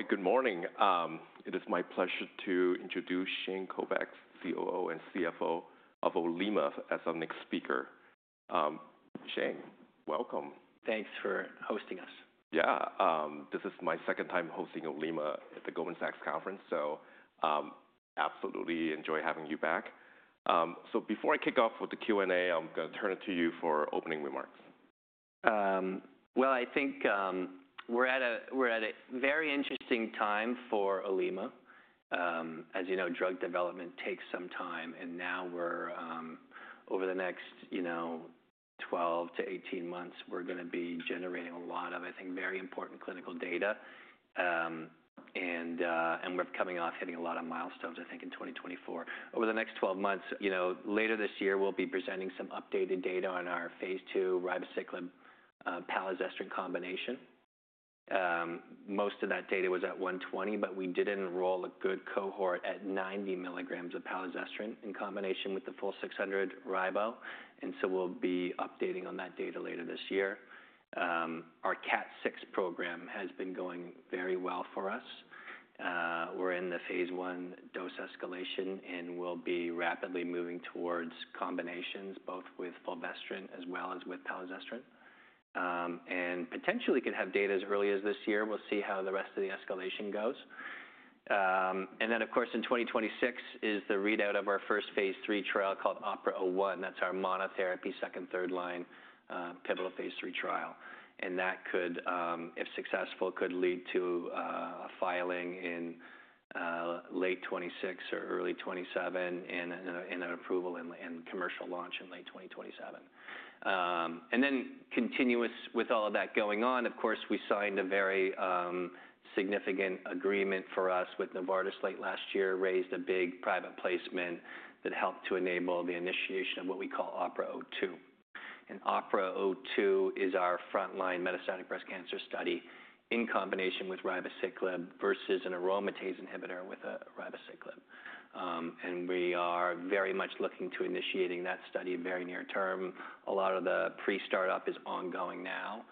All right, good morning. It is my pleasure to introduce Shane Kovacs, COO and CFO of Olema as our next speaker. Shane, welcome. Thanks for hosting us. Yeah, this is my second time hosting Olema at the Goldman Sachs Conference, so absolutely enjoy having you back. Before I kick off with the Q&A, I'm going to turn it to you for opening remarks. I think we're at a very interesting time for Olema. As you know, drug development takes some time, and now we're, over the next 12 months - 18 months, we're going to be generating a lot of, I think, very important clinical data. We're coming off hitting a lot of milestones, I think, in 2024. Over the next 12 months, later this year, we'll be presenting some updated data on our phase II ribociclib-palazestrant combination. Most of that data was at 120 mg, but we did enroll a good cohort at 90 mg of palazestrant in combination with the full 600 mg ribociclib. We'll be updating on that data later this year. Our KAT6 program has been going very well for us. We're in the phase I dose escalation, and we'll be rapidly moving towards combinations both with fulvestrant as well as with palazestrant. Potentially could have data as early as this year. We'll see how the rest of the escalation goes. Of course, in 2026 is the readout of our first phase III trial called OPERA-01. That's our monotherapy second, third line pivotal phase III trial. That could, if successful, lead to a filing in late 2026 or early 2027 and an approval and commercial launch in late 2027. Continuous with all of that going on, of course, we signed a very significant agreement for us with Novartis late last year, raised a big private placement that helped to enable the initiation of what we call OPERA-02. OPERA-02 is our frontline metastatic breast cancer study in combination with ribociclib versus an aromatase inhibitor with ribociclib. We are very much looking to initiating that study very near term. A lot of the pre-startup is ongoing now.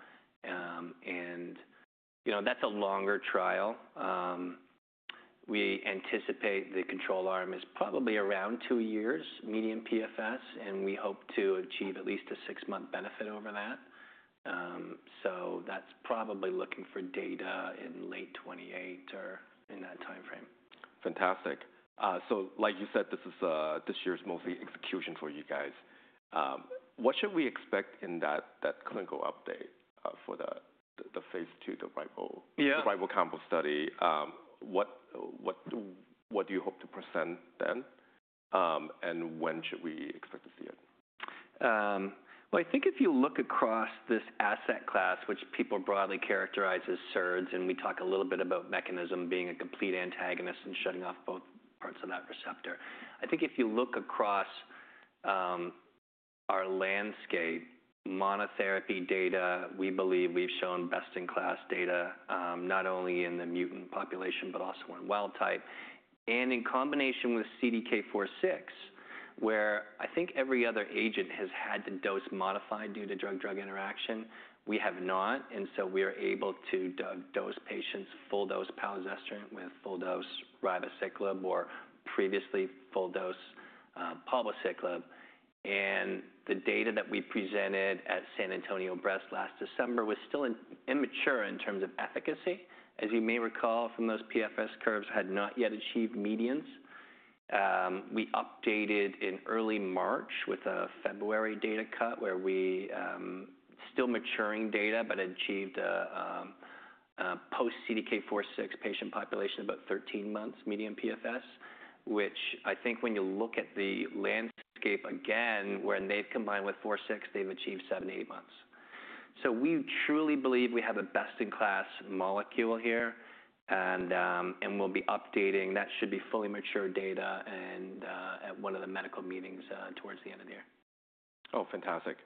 That is a longer trial. We anticipate the control arm is probably around two years, median PFS, and we hope to achieve at least a six-month benefit over that. That is probably looking for data in late 2028 or in that time frame. Fantastic. Like you said, this year's mostly execution for you guys. What should we expect in that clinical update for the phase II, the ribo-combo study? What do you hope to present then? When should we expect to see it? I think if you look across this asset class, which people broadly characterize as SERDs, and we talk a little bit about mechanism being a complete antagonist and shutting off both parts of that receptor. I think if you look across our landscape, monotherapy data, we believe we've shown best-in-class data not only in the mutant population, but also in wild type. In combination with CDK4/6, where I think every other agent has had to dose modify due to drug-drug interaction, we have not. We are able to dose patients full dose palazestrant with full dose ribociclib or previously full dose palbociclib. The data that we presented at San Antonio Breast last December was still immature in terms of efficacy. As you may recall from those PFS curves, had not yet achieved medians. We updated in early March with a February data cut where we are still maturing data, but achieved a post-CDK4/6 patient population of about 13 months, median PFS, which I think when you look at the landscape again, when they have combined with CDK4/6, they have achieved seven-eight months. We truly believe we have a best-in-class molecule here. We will be updating. That should be fully mature data at one of the medical meetings towards the end of the year. Oh, fantastic.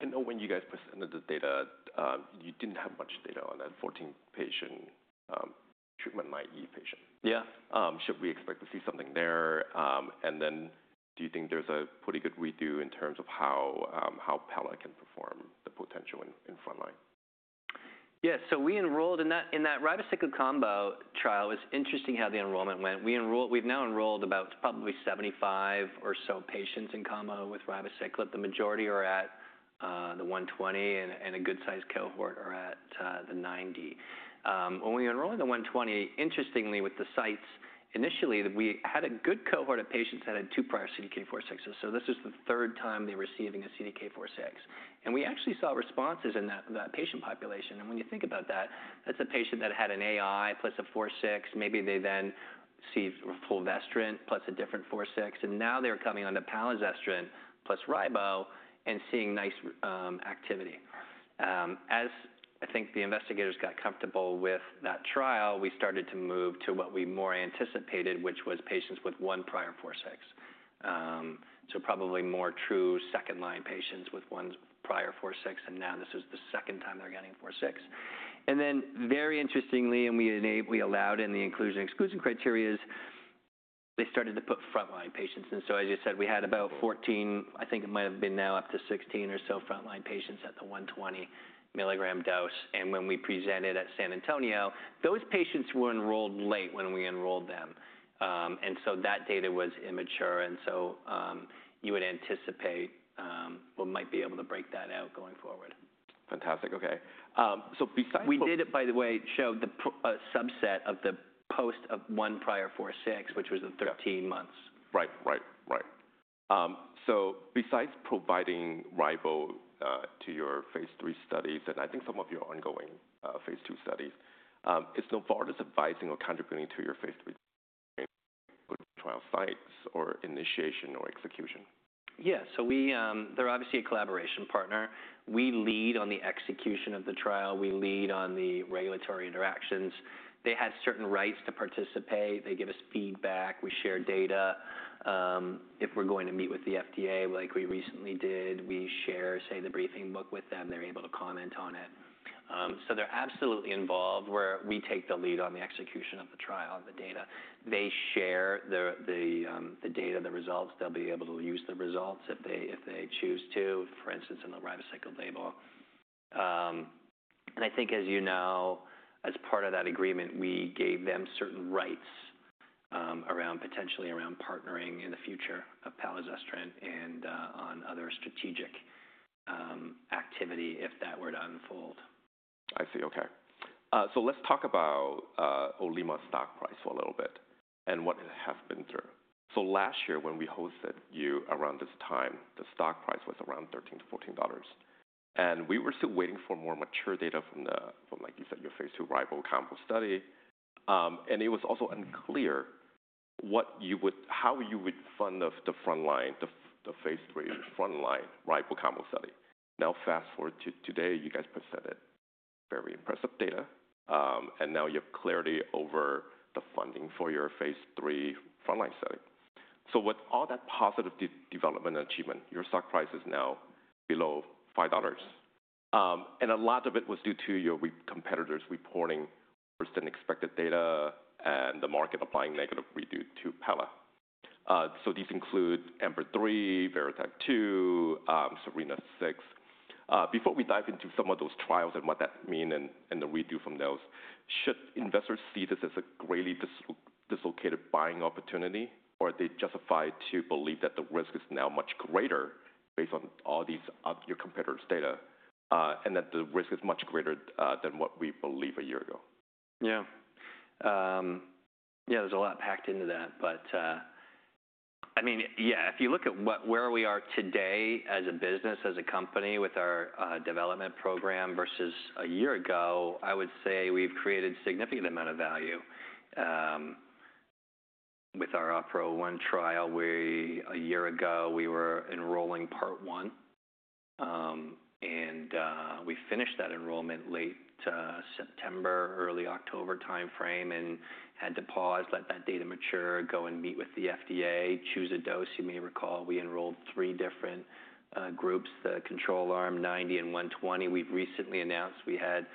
I know when you guys presented the data, you did not have much data on that 14-patient treatment, i.e., patient. Yeah. Should we expect to see something there? Do you think there's a pretty good redo in terms of how palazestrant can perform the potential in frontline? Yeah, so we enrolled in that ribociclib-combo trial. It was interesting how the enrollment went. We've now enrolled about probably 75 mg or so patients in combo with ribociclib. The majority are at the 120 mg, and a good sized cohort are at the 90 mg. When we enrolled in the 120 mg, interestingly with the sites, initially we had a good cohort of patients that had two prior CDK4/6s. This is the third time they were receiving a CDK4/6. We actually saw responses in that patient population. When you think about that, that's a patient that had an AI plus a 4/6. Maybe they then received fulvestrant plus a different 4/6. Now they're coming onto palazestrant plus ribo and seeing nice activity. As I think the investigators got comfortable with that trial, we started to move to what we more anticipated, which was patients with one prior 4/6. Probably more true second line patients with one prior 4/6. Now this is the second time they're getting 4/6. Very interestingly, and we allowed in the inclusion and exclusion criteria, they started to put frontline patients. As you said, we had about 14 patients, I think it might have been now up to 16 patients or so frontline patients at the 120 mg dose. When we presented at San Antonio, those patients were enrolled late when we enrolled them. That data was immature. You would anticipate we might be able to break that out going forward. Fantastic. Okay. So besides. We did, by the way, show the subset of the post of one prior CDK4/6, which was the 13 months. Right, right, right. Besides providing ribo to your phase III studies, and I think some of your ongoing phase II studies, is Novartis advising or contributing to your phase III trial sites or initiation or execution? Yeah, so they're obviously a collaboration partner. We lead on the execution of the trial. We lead on the regulatory interactions. They had certain rights to participate. They give us feedback. We share data. If we're going to meet with the FDA, like we recently did, we share, say, the briefing book with them. They're able to comment on it. They're absolutely involved where we take the lead on the execution of the trial and the data. They share the data, the results. They'll be able to use the results if they choose to, for instance, in the ribociclib label. I think, as you know, as part of that agreement, we gave them certain rights potentially around partnering in the future of palazestrant and on other strategic activity if that were to unfold. I see. Okay. Let's talk about Olema stock price for a little bit and what it has been through. Last year when we hosted you around this time, the stock price was around $13-$14. We were still waiting for more mature data from, like you said, your phase II ribo-combo study. It was also unclear how you would fund the phase III frontline ribo-combo study. Fast forward to today, you guys presented very impressive data. You have clarity over the funding for your phase III frontline study. With all that positive development and achievement, your stock price is now below $5. A lot of it was due to your competitors reporting worse than expected data and the market applying negative redo to palazestrant. These include EMBER-3, VERITAC-2, SERENA-6. Before we dive into some of those trials and what that means and the redo from those, should investors see this as a greatly dislocated buying opportunity, or are they justified to believe that the risk is now much greater based on all your competitors' data and that the risk is much greater than what we believed a year ago? Yeah. Yeah, there's a lot packed into that. I mean, yeah, if you look at where we are today as a business, as a company with our development program versus a year ago, I would say we've created a significant amount of value. With our OPERA-01 trial, a year ago, we were enrolling part one. We finished that enrollment late September, early October time frame and had to pause, let that data mature, go and meet with the FDA, choose a dose. You may recall we enrolled three different groups, the control arm, 90 mg and 120 mg. We've recently announced we had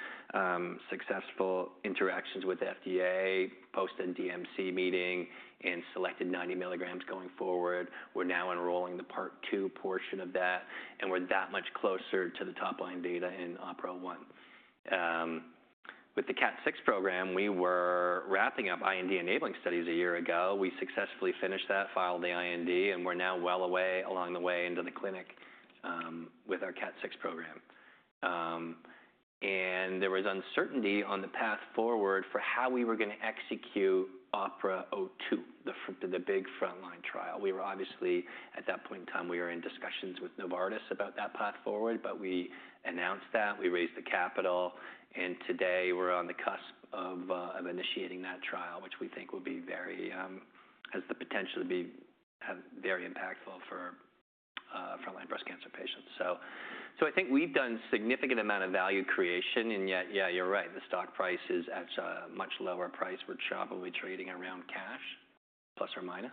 successful interactions with the FDA, post-NDMC meeting, and selected 90 mg going forward. We're now enrolling the part two portion of that, and we're that much closer to the top line data in OPERA-01. With the KAT6 program, we were wrapping up IND enabling studies a year ago. We successfully finished that, filed the IND, and we're now well away along the way into the clinic with our KAT6 program. There was uncertainty on the path forward for how we were going to execute OPERA-02, the big frontline trial. We were obviously at that point in time, we were in discussions with Novartis about that path forward, but we announced that. We raised the capital. Today we're on the cusp of initiating that trial, which we think will be very, has the potential to be very impactful for frontline breast cancer patients. I think we've done a significant amount of value creation. Yet, yeah, you're right, the stock price is at a much lower price. We're probably trading around cash, plus or minus.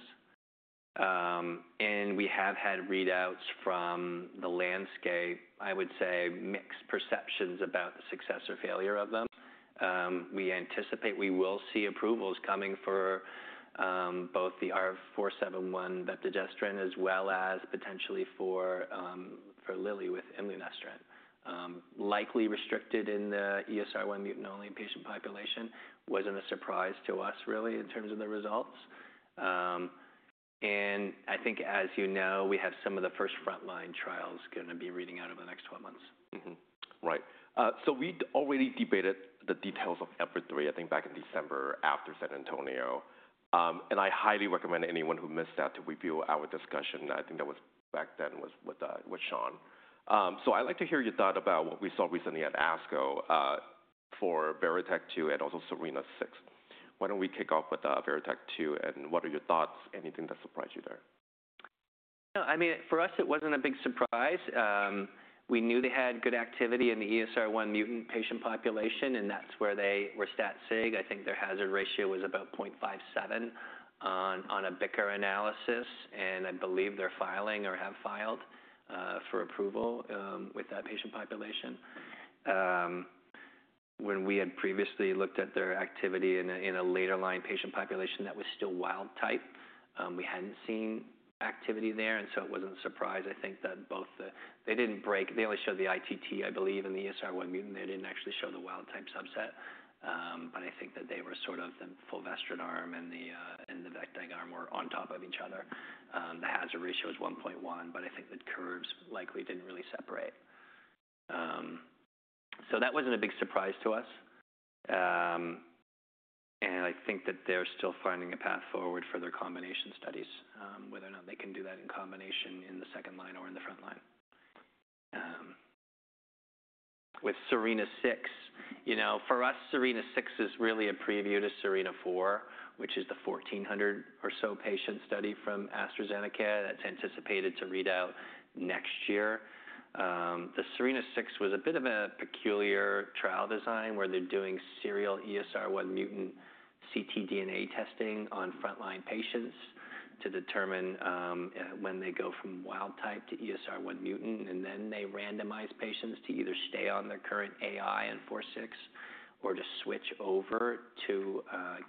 We have had readouts from the landscape, I would say, mixed perceptions about the success or failure of them. We anticipate we will see approvals coming for both the ARV-471 vepdegestrant as well as potentially for Lilly with imlunestrant. Likely restricted in the ESR1 mutant-only patient population was not a surprise to us really in terms of the results. I think as you know, we have some of the first frontline trials going to be reading out over the next 12 months. Right. So we already debated the details of EMBER-3, I think back in December after San Antonio. I highly recommend anyone who missed that to review our discussion. I think that was back then with Sean. I would like to hear your thought about what we saw recently at ASCO for VERITAC-2 and also SERENA-6. Why don't we kick off with VERITAC-2 and what are your thoughts? Anything that surprised you there? I mean, for us, it wasn't a big surprise. We knew they had good activity in the ESR1 mutant patient population, and that's where they were stat-sig. I think their hazard ratio was about 0.57 on a BICR analysis. I believe they're filing or have filed for approval with that patient population. When we had previously looked at their activity in a later line patient population that was still wild type, we hadn't seen activity there. It wasn't a surprise, I think, that both they didn't break. They only showed the ITT, I believe, in the ESR1 mutant. They didn't actually show the wild type subset. I think that they were sort of the fulvestrant arm and the vepdegestrant arm were on top of each other. The hazard ratio was 1.1, but I think the curves likely didn't really separate. That wasn't a big surprise to us. I think that they're still finding a path forward for their combination studies, whether or not they can do that in combination in the second line or in the frontline. With SERENA-6, for us, SERENA-6 is really a preview to SERENA-4, which is the 1,400 or so patient study from AstraZeneca that's anticipated to read out next year. The SERENA-6 was a bit of a peculiar trial design where they're doing serial ESR1 mutant ctDNA testing on frontline patients to determine when they go from wild type to ESR1 mutant. They randomize patients to either stay on their current AI and CDK4/6 or to switch over to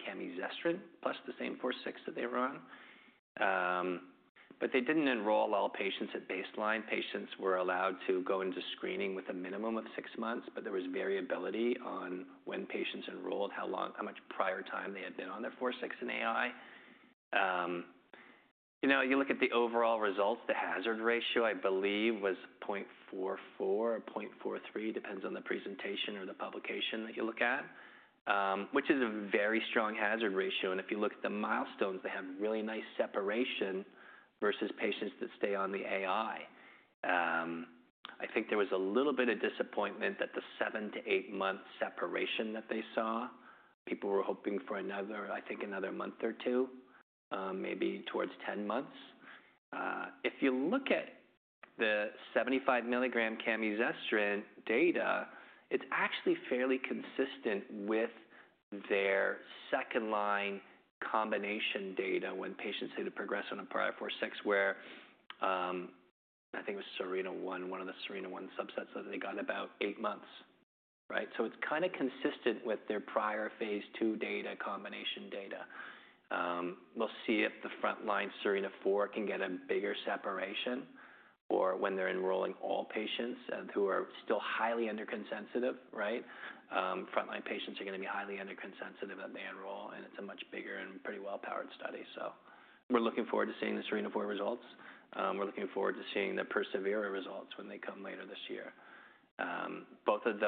camizestrant plus the same CDK4/6 that they were on. They didn't enroll all patients at baseline. Patients were allowed to go into screening with a minimum of six months, but there was variability on when patients enrolled, how much prior time they had been on their 4/6 and AI. You look at the overall results, the hazard ratio, I believe was 0.44 or 0.43, depends on the presentation or the publication that you look at, which is a very strong hazard ratio. If you look at the milestones, they have really nice separation versus patients that stay on the AI. I think there was a little bit of disappointment that the seven- to eight-month separation that they saw, people were hoping for another, I think another month or two, maybe towards 10 months. If you look at the 75 mg camizestrant data, it's actually fairly consistent with their second line combination data when patients, say, to progress on a prior 4/6, where I think it was SERENA-1, one of the SERENA-1 subsets, that they got about eight months. Right? So it's kind of consistent with their prior phase II data, combination data. We'll see if the frontline SERENA-4 can get a bigger separation or when they're enrolling all patients who are still highly endocrine-sensitive, right? Frontline patients are going to be highly endocrine-sensitive that they enroll. And it's a much bigger and pretty well-powered study. We're looking forward to seeing the SERENA-4 results. We're looking forward to seeing the PersevERA results when they come later this year. Both of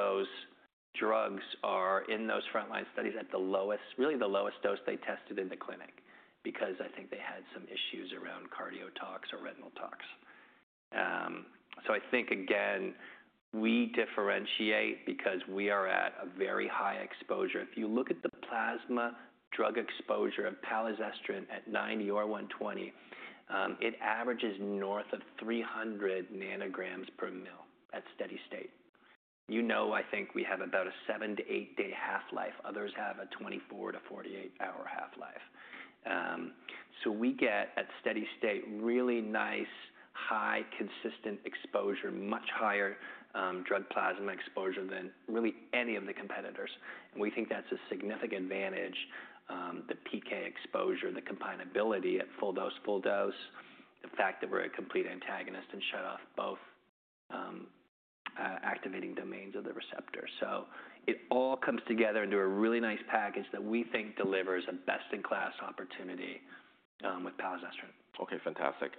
those drugs are in those frontline studies at the lowest, really the lowest dose they tested in the clinic because I think they had some issues around cardio tox or retinal tox. I think, again, we differentiate because we are at a very high exposure. If you look at the plasma drug exposure of palazestrant at 90 mg or 120 mg, it averages north of 300 ng/mL at steady state. You know, I think we have about a seven to eight day half-life. Others have a 24 hour-48 hour half-life. We get at steady state, really nice, high consistent exposure, much higher drug plasma exposure than really any of the competitors. We think that's a significant advantage, the PK exposure, the compatibility at full dose, full dose, the fact that we're a complete antagonist and shut off both activating domains of the receptor. It all comes together into a really nice package that we think delivers a best in class opportunity with palazestrant. Okay, fantastic.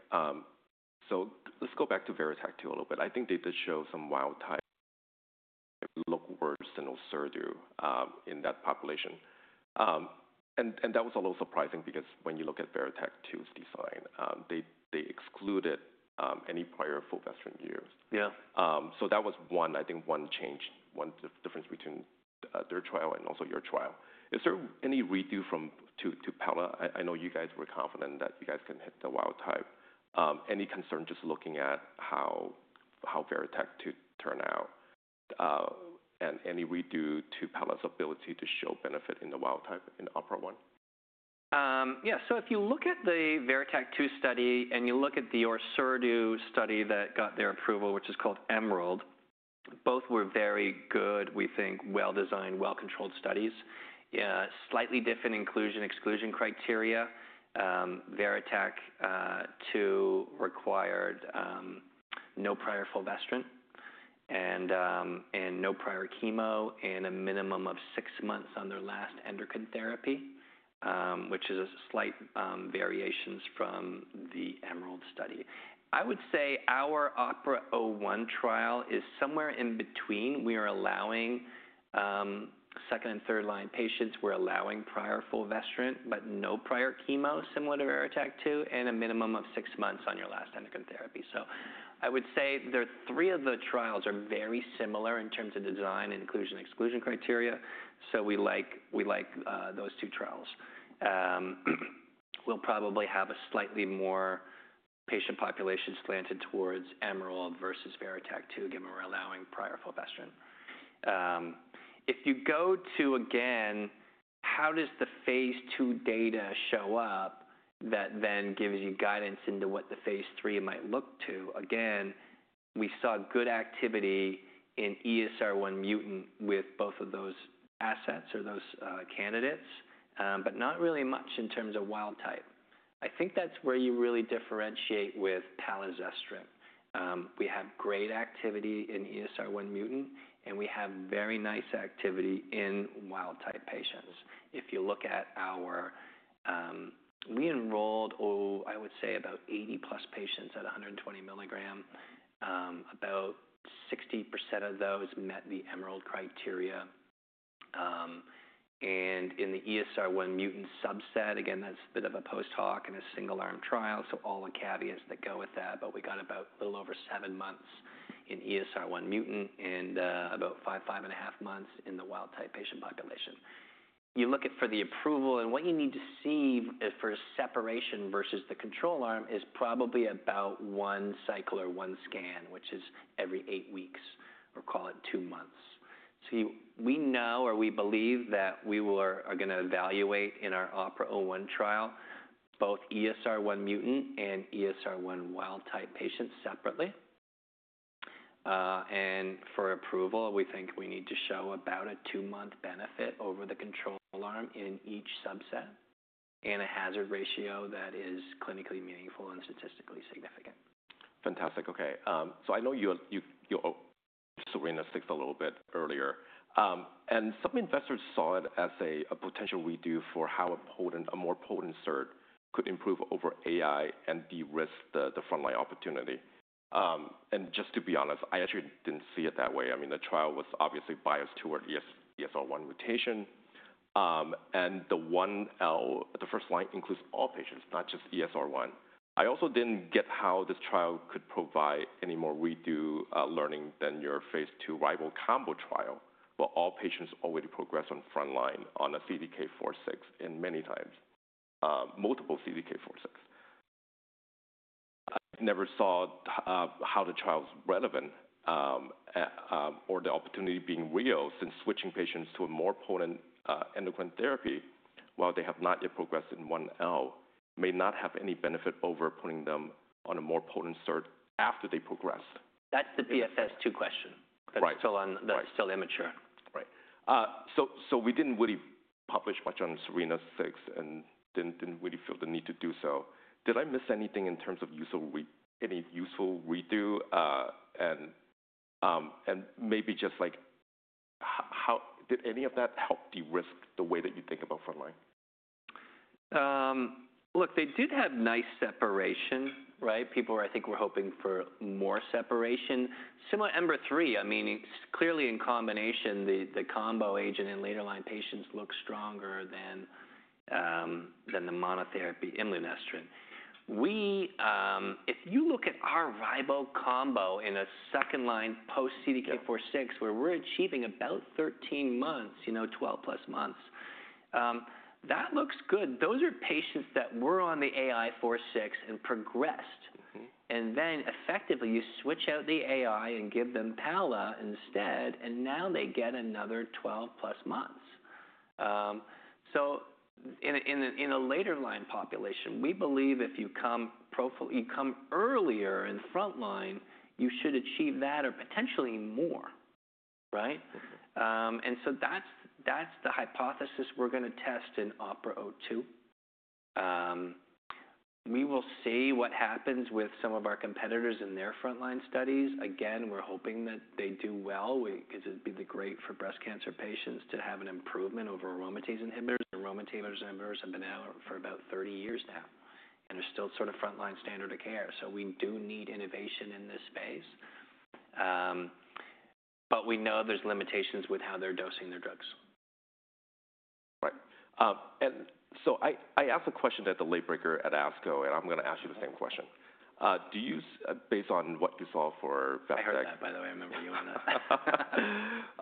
Let's go back to VERITAC-2 a little bit. I think they did show some wild type look worse than ORSERDU in that population. That was a little surprising because when you look at VERITAC-2's design, they excluded any prior fulvestrant use. That was one, I think one change, one difference between their trial and also your trial. Is there any redo from to palazestrant? I know you guys were confident that you guys can hit the wild type. Any concern just looking at how VERITAC-2 turned out and any redo to palazestrant ability to show benefit in the wild type in OPERA-01? Yeah. If you look at the VERITAC-2 study and you look at the ORSERDU study that got their approval, which is called EMERALD, both were very good, we think, well-designed, well-controlled studies. Slightly different inclusion-exclusion criteria. VERITAC-2 required no prior fulvestrant and no prior chemo and a minimum of six months on their last endocrine therapy, which is a slight variation from the EMERALD study. I would say our OPERA-01 trial is somewhere in between. We are allowing second and third line patients, we're allowing prior fulvestrant, but no prior chemo similar to VERITAC-2 and a minimum of six months on your last endocrine therapy. I would say three of the trials are very similar in terms of design, inclusion, exclusion criteria. We like those two trials. We'll probably have a slightly more patient population slanted towards EMERALD versus VERITAC-2, given we're allowing prior fulvestrant. If you go to, again, how does the phase III data show up that then gives you guidance into what the phase III might look to? Again, we saw good activity in ESR1 mutant with both of those assets or those candidates, but not really much in terms of wild type. I think that's where you really differentiate with palazestrant. We have great activity in ESR1 mutant, and we have very nice activity in wild type patients. If you look at our, we enrolled, I would say, about 80+ patients at 120 mg. About 60% of those met the EMERALD criteria. And in the ESR1 mutant subset, again, that's a bit of a post hoc and a single arm trial, so all the caveats that go with that. We got about a little over seven months in ESR1 mutant and about five, five and a half months in the wild type patient population. You look at for the approval and what you need to see for separation versus the control arm is probably about one cycle or one scan, which is every eight weeks or call it two months. We know or we believe that we are going to evaluate in our OPERA-01 trial both ESR1 mutant and ESR1 wild type patients separately. For approval, we think we need to show about a two-month benefit over the control arm in each subset and a hazard ratio that is clinically meaningful and statistically significant. Fantastic. Okay. I know you're also in the six a little bit earlier. Some investors saw it as a potential redo for how a more potent SERD could improve over AI and de-risk the frontline opportunity. Just to be honest, I actually didn't see it that way. I mean, the trial was obviously biased toward ESR1 mutation. The first line includes all patients, not just ESR1. I also didn't get how this trial could provide any more redo learning than your phase II rival combo trial, but all patients already progressed on frontline on a CDK4/6 and many times, multiple CDK4/6. I never saw how the trial's relevant or the opportunity being real since switching patients to a more potent endocrine therapy while they have not yet progressed in 1L may not have any benefit over putting them on a more potent SERD after they progressed. That's the PFS2 question. That's still immature. Right. We did not really publish much on SERENA-6 and did not really feel the need to do so. Did I miss anything in terms of any useful redo? Maybe just like, did any of that help de-risk the way that you think about frontline? Look, they did have nice separation, right? People were, I think, were hoping for more separation. Similar to EMBER-3, I mean, clearly in combination, the combo agent in later line patients looks stronger than the monotherapy imlunestrant. If you look at our rival combo in a second line post CDK4/6, where we're achieving about 13 months, you know, 12+ months, that looks good. Those are patients that were on the AI CDK4/6 and progressed. And then effectively you switch out the AI and give them palazestrant instead, and now they get another 12+ months. In a later line population, we believe if you come earlier in frontline, you should achieve that or potentially more, right? That is the hypothesis we're going to test in OPERA-02. We will see what happens with some of our competitors in their frontline studies. Again, we're hoping that they do well because it'd be great for breast cancer patients to have an improvement over aromatase inhibitors. Aromatase inhibitors have been out for about 30 years now and are still sort of frontline standard of care. We do need innovation in this space. We know there's limitations with how they're dosing their drugs. Right. I asked a question at the late breaker at ASCO, and I'm going to ask you the same question. Based on what you saw for vepdegestrant. I heard that, by the way. I remember you on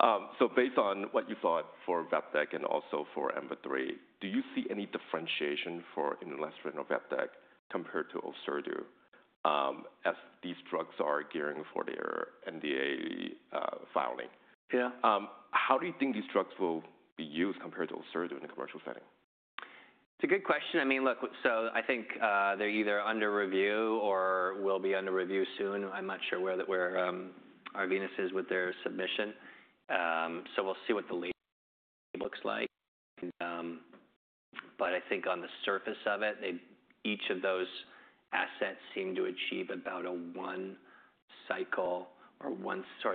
that. Based on what you saw for VERITAC-2 and also for EMBER-3, do you see any differentiation for imlunestrant or vepdegestrant compared to ORSERDU as these drugs are gearing for their NDA filing? Yeah. How do you think these drugs will be used compared to ORSERDU in a commercial setting? It's a good question. I mean, look, so I think they're either under review or will be under review soon. I'm not sure where Arvinas is with their submission. We'll see what the lead looks like. I think on the surface of it, each of those assets seem to achieve about a one cycle or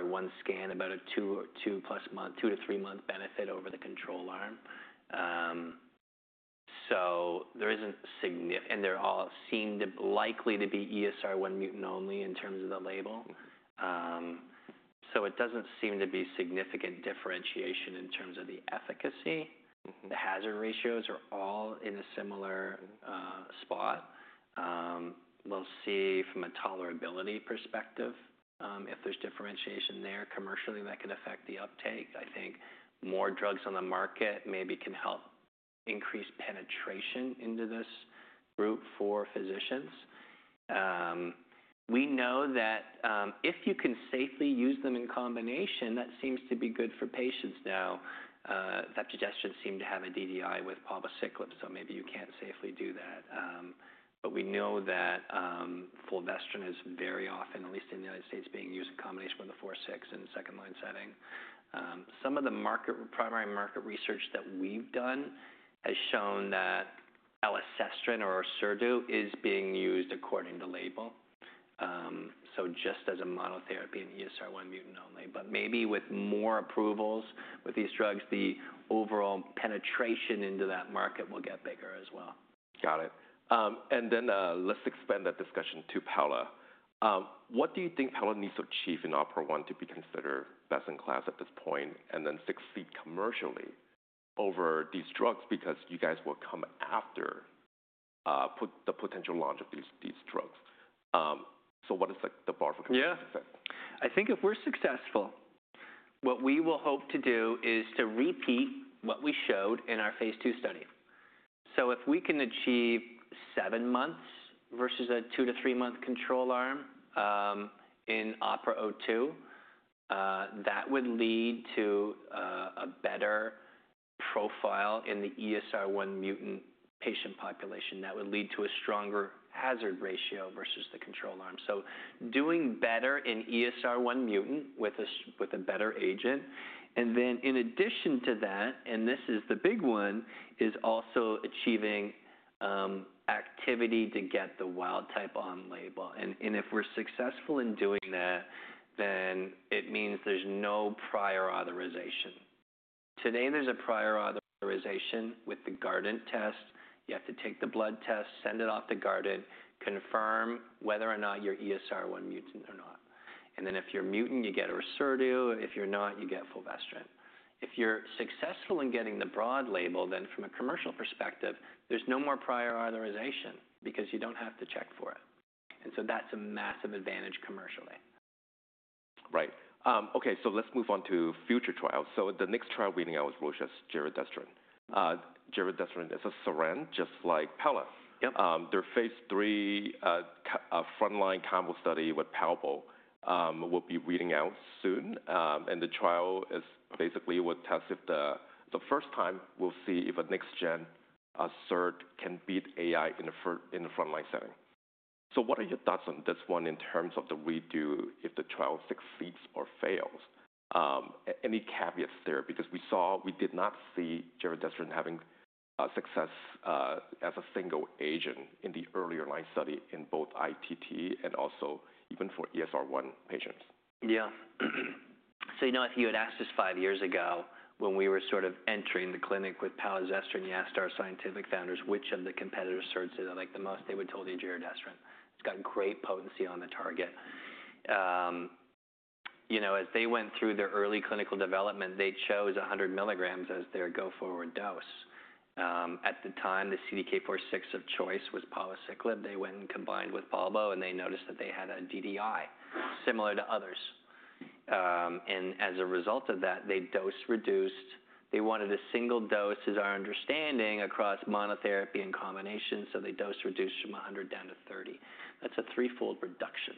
one scan, about a two- to three-month benefit over the control arm. There isn't significant, and they all seem likely to be ESR1 mutant only in terms of the label. It doesn't seem to be significant differentiation in terms of the efficacy. The hazard ratios are all in a similar spot. We'll see from a tolerability perspective if there's differentiation there. Commercially, that could affect the uptake. I think more drugs on the market maybe can help increase penetration into this group for physicians. We know that if you can safely use them in combination, that seems to be good for patients now. Vepdegestrant seemed to have a DDI with palbociclib, so maybe you can't safely do that. We know that fulvestrant is very often, at least in the United States, being used in combination with the 4/6 in a second line setting. Some of the primary market research that we've done has shown that elacestrant or ORSERDU is being used according to label. Just as a monotherapy and ESR1 mutant only, but maybe with more approvals with these drugs, the overall penetration into that market will get bigger as well. Got it. Let's expand that discussion to palliative. What do you think palliative needs to achieve in OPERA-01 to be considered best in class at this point and then succeed commercially over these drugs because you guys will come after the potential launch of these drugs? What is the bar for commercial success? Yeah. I think if we're successful, what we will hope to do is to repeat what we showed in our phase II study. If we can achieve seven months versus a two- to three-month control arm in OPERA-02, that would lead to a better profile in the ESR1 mutant patient population. That would lead to a stronger hazard ratio versus the control arm. Doing better in ESR1 mutant with a better agent. In addition to that, and this is the big one, is also achieving activity to get the wild type on label. If we're successful in doing that, then it means there's no prior authorization. Today, there's a prior authorization with the Guardant test. You have to take the blood test, send it off to Guardant, confirm whether or not you're ESR1 mutant or not. If you're mutant, you get ORSERDU. If you're not, you get fulvestrant. If you're successful in getting the broad label, then from a commercial perspective, there's no more prior authorization because you don't have to check for it. That's a massive advantage commercially. Right. Okay, so let's move on to future trials. The next trial reading out was Roche's giredestrant. Giredestrant is a SERD just like palazestrant. Their phase III frontline combo study with palbociclib will be reading out soon. The trial basically will test if, for the first time, we'll see if a next-gen SERD can beat an aromatase inhibitor in a frontline setting. What are your thoughts on this one in terms of the readout if the trial succeeds or fails? Any caveats there? Because we saw we did not see giredestrant having success as a single agent in the earlier line study in both ITT and also even for ESR1 patients. Yeah. So you know if you had asked us five years ago when we were sort of entering the clinic with palazestrant, you asked our scientific founders which of the competitors' SERDs they like the most, they would have told you giredestrant. It's got great potency on the target. You know, as they went through their early clinical development, they chose 100 mg as their go-forward dose. At the time, the CDK4/6 of choice was palbociclib. They went and combined with Palbo and they noticed that they had a DDI similar to others. As a result of that, they dose reduced. They wanted a single dose, is our understanding, across monotherapy and combination. So they dose reduced from 100 mg down to 30 mg. That's a threefold reduction.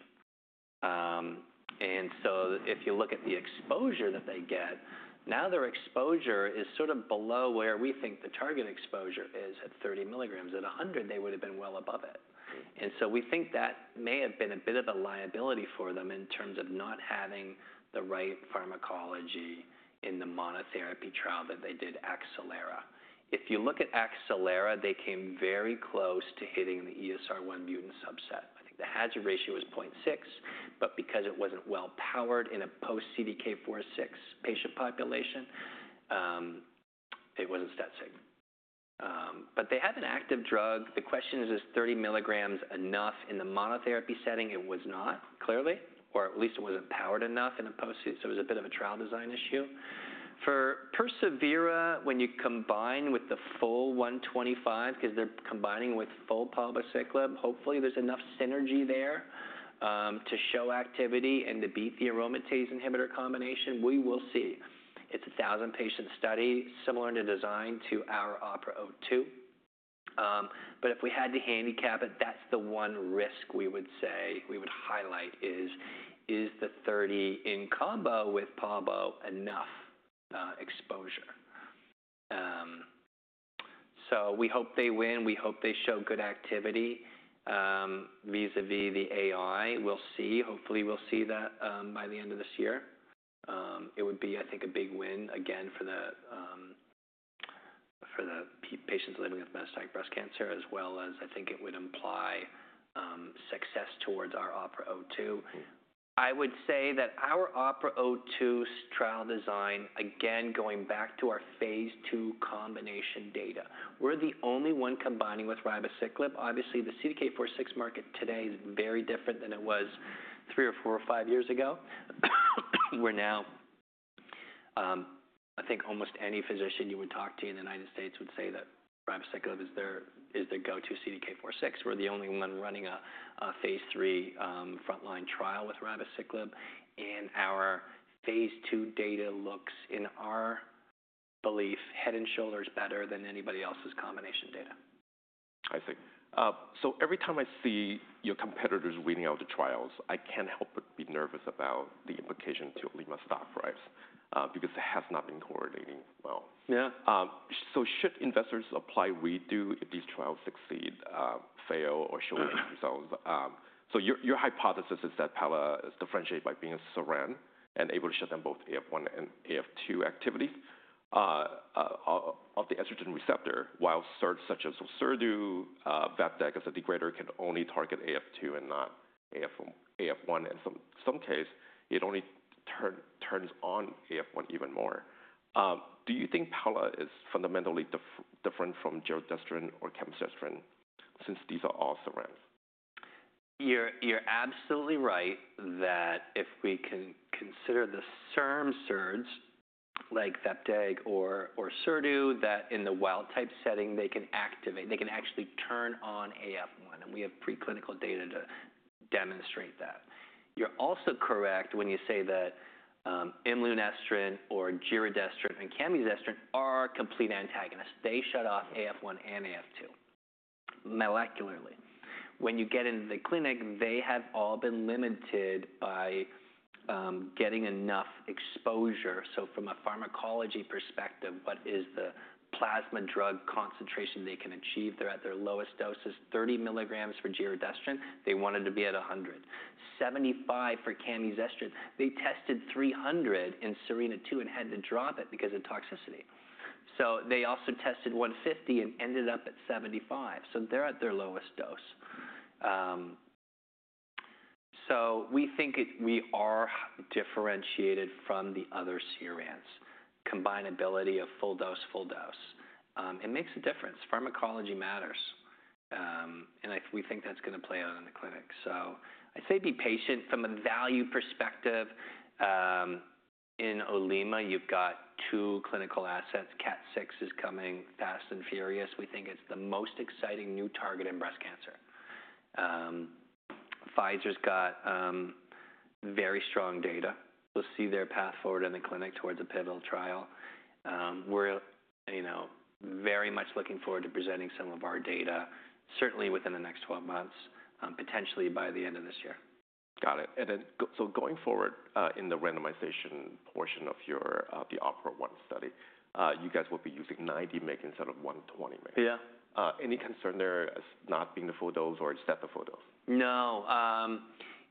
If you look at the exposure that they get, now their exposure is sort of below where we think the target exposure is at 30 mg. At 100 mg, they would have been well above it. We think that may have been a bit of a liability for them in terms of not having the right pharmacology in the monotherapy trial that they did, Axelera. If you look at Axelera, they came very close to hitting the ESR1 mutant subset. I think the hazard ratio was 0.6, but because it was not well powered in a post CDK4/6 patient population, it was not stat-safe. They have an active drug. The question is, is 30 mg enough in the monotherapy setting? It was not, clearly, or at least it was not powered enough in a post. It was a bit of a trial design issue. For PersevERA, when you combine with the full 125 mg, because they're combining with full palbociclib, hopefully there's enough synergy there to show activity and to beat the aromatase inhibitor combination. We will see. It's a 1,000 patient study, similar in design to our OPERA-02. If we had to handicap it, that's the one risk we would highlight is, is the 30 mg in combo with Palbo enough exposure? We hope they win. We hope they show good activity vis-à-vis the AI. We'll see. Hopefully we'll see that by the end of this year. It would be, I think, a big win again for the patients living with metastatic breast cancer, as well as I think it would imply success towards our OPERA-02. I would say that our OPERA-02 trial design, again, going back to our phase III combination data, we're the only one combining with ribociclib. Obviously, the CDK4/6 market today is very different than it was three or four or five years ago. We're now, I think almost any physician you would talk to in the United States would say that ribociclib is their go-to CDK4/6. We're the only one running a phase III frontline trial with ribociclib. Our phase III data looks, in our belief, head and shoulders better than anybody else's combination data. I see. Every time I see your competitors reading out the trials, I can't help but be nervous about the implication to Olema stock price because it has not been correlating well. Yeah. Should investors apply a redo if these trials succeed, fail, or show results? Your hypothesis is that palazestrant is differentiated by being a SERM and able to show them both AF1 and AF2 activity of the estrogen receptor, while SERDs such as ORSERDU, vepdegestrant as a degrader can only target AF2 and not AF1. In some cases, it only turns on AF1 even more. Do you think palazestrant is fundamentally different from giredestrant or camizestrant since these are all SERMs? You're absolutely right that if we can consider the SERMs, SERDs like vepdegestrant or ORSERDU, that in the wild type setting, they can activate, they can actually turn on AF1. And we have preclinical data to demonstrate that. You're also correct when you say that imlunestrant or giredestrant and camizestrant are complete antagonists. They shut off AF1 and AF2 molecularly. When you get into the clinic, they have all been limited by getting enough exposure. From a pharmacology perspective, what is the plasma drug concentration they can achieve? They're at their lowest doses, 30 mg for giredestrant. They wanted to be at 100 mg. Seventy-five milligrams for camizestrant. They tested 300 mg in SERENA-2 and had to drop it because of toxicity. They also tested 150 mg and ended up at 75 mg. They're at their lowest dose. We think we are differentiated from the other SERDs. Combine ability of full dose, full dose. It makes a difference. Pharmacology matters. We think that's going to play out in the clinic. I say be patient. From a value perspective, in Olema, you've got two clinical assets. KAT6 is coming fast and furious. We think it's the most exciting new target in breast cancer. Pfizer's got very strong data. We'll see their path forward in the clinic towards a pivotal trial. We're very much looking forward to presenting some of our data, certainly within the next 12 months, potentially by the end of this year. Got it. Going forward in the randomization portion of the OPERA-01 study, you guys will be using 90 mg instead of 120 mg. Yeah. Any concern there as not being the full dose or instead the full dose? No.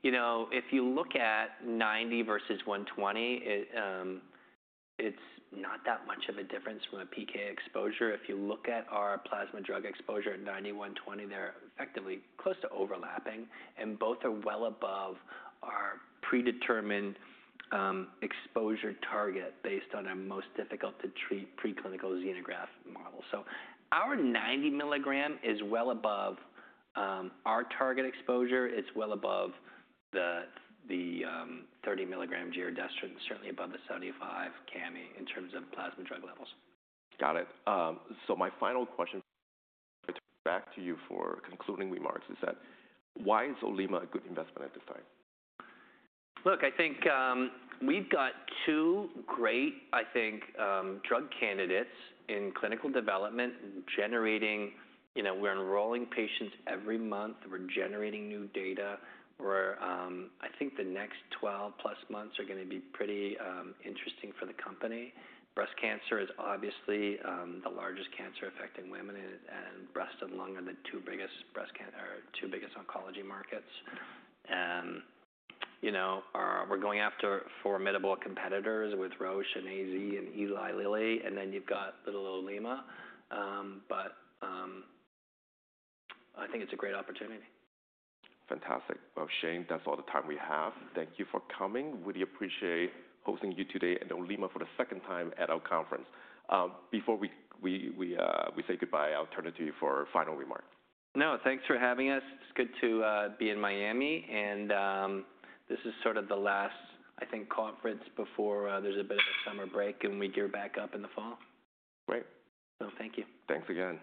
You know, if you look at 90 mg versus 120 mg, it's not that much of a difference from a PK exposure. If you look at our plasma drug exposure at 90 mg, 120 mg, they're effectively close to overlapping. Both are well above our predetermined exposure target based on our most difficult to treat preclinical xenograft model. Our 90 mg is well above our target exposure. It's well above the 30 mg giredestrant, certainly above the 75 mg camizestrant in terms of plasma drug levels. Got it. So my final question back to you for concluding remarks is that why is Olema a good investment at this time? Look, I think we've got two great, I think, drug candidates in clinical development generating, you know, we're enrolling patients every month. We're generating new data. I think the next 12+ months are going to be pretty interesting for the company. Breast cancer is obviously the largest cancer affecting women. Breast and lung are the two biggest oncology markets. You know, we're going after formidable competitors with Roche and AstraZeneca and Eli Lilly. You know, you've got little Olema. I think it's a great opportunity. Fantastic. Shane, that's all the time we have. Thank you for coming. We appreciate hosting you today and Olema for the second time at our conference. Before we say goodbye, I'll turn it to you for a final remark. No, thanks for having us. It's good to be in Miami. This is sort of the last, I think, conference before there's a bit of a summer break and we gear back up in the fall. Great. Thank you. Thanks again.